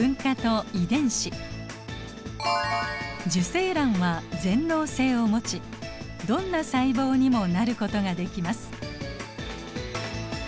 受精卵は全能性を持ちどんな細胞にもなることができます。